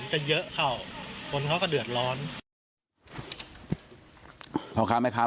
จะเยอะเข้าคนเขาก็เดือดร้อน